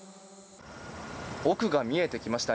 奥が見えてきました。